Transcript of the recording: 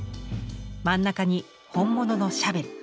真ん中に本物のシャベル。